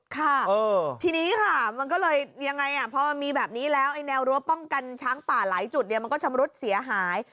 ค่ะทีนี้ค่ะมันก็เลยยังไงพอมันมีแบบนี้แล้วไอ้แนวรั้วป้องกันช้างป่าหลายจุดเนี่ยมันก็ชำรุดเสียหาย